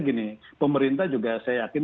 gini pemerintah juga saya yakin